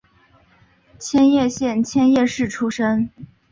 千叶县千叶市出身。